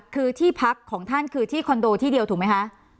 คือที่พักของท่านคือที่คอนโดที่เดียวถูกไหมคะ